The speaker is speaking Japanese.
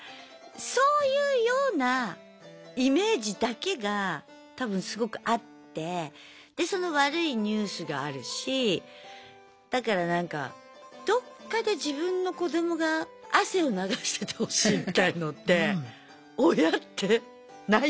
そういうようなイメージだけが多分すごくあってでその悪いニュースがあるしだからなんかどっかで自分の子どもが汗を流しててほしいみたいのって親ってない？